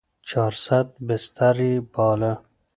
چارصد بستر يې باله.